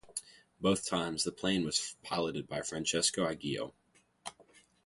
Both times the plane was piloted by Francesco Agello.